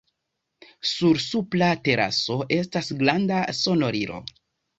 Sur supra teraso estas granda sonorilo.